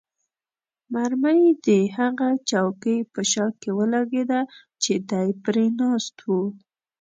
مرمۍ د هغه چوکۍ په شا کې ولګېده چې دی پرې ناست وو.